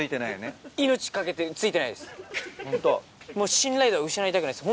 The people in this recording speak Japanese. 信頼度は失いたくないです